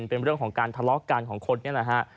เป็นเรื่องของการทะเลาะกันของคนนี่แหละฮะ